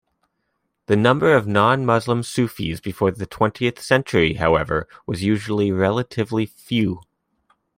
The number of non-Muslim Sufis before the twentieth century, however, was usually relatively few.